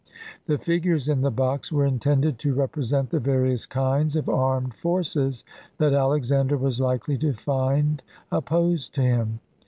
The figures in the box were intended to represent the various kinds of armed forces that Alexander was likely to find opposed to him.